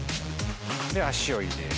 で足を入れる。